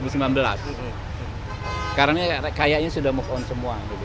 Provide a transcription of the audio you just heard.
sekarang ini kayaknya sudah move on semua